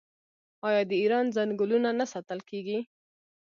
آیا د ایران ځنګلونه نه ساتل کیږي؟